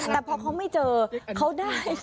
แต่พอเขาไม่เจอเขาได้